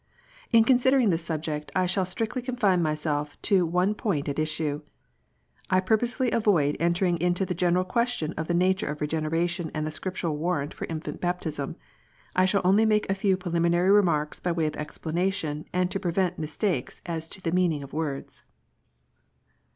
In considering this subject, I shall strictly confine myself to the one point at issue. I purposely avoid entering into the general question of the nature of Regeneration and the Scriptural warrant for infant baptism. I shall only make a few pre liminary remarks by way of explanation, and to prevent mis takes about the meaning of words.